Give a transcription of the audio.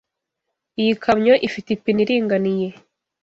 Iyi kamyo ifite ipine iringaniye.